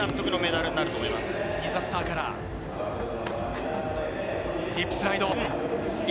ディザスターからリップスライド。